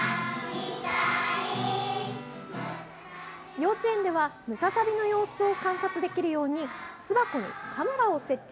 幼稚園ではムササビの様子を観察できるように巣箱にカメラを設置。